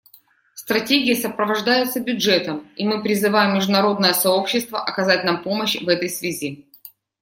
Стратегия сопровождается бюджетом, и мы призываем международное сообщество оказать нам помощь в этой связи.